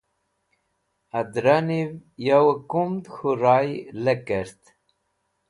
adra niv yo kumd k̃huray lekert